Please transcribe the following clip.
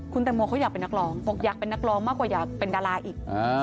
คุณแตงโมเขาอยากเป็นนักร้องบอกอยากเป็นนักร้องมากกว่าอยากเป็นดาราอีก